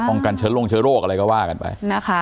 ต้องกันเชิดโรคอะไรก็ว่ากันไป